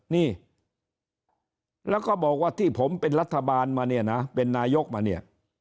นี่แล้วก็บอกว่าที่ผมเป็นรัฐบาลมาเนี่ยนะเป็นนายกมาเนี่ย